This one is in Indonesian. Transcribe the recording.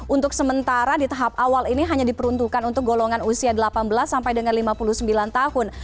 untuk sementara di tahap awal ini hanya diperuntukkan untuk golongan usia delapan belas sampai dengan lima puluh sembilan tahun